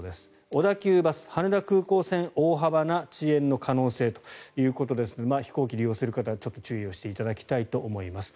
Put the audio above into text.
小田急バス羽田空港線大幅な遅延の可能性ということですので飛行機を利用する方はちょっと注意していただきたいと思います。